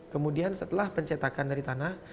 kemudian setelah pencetakan dari tanah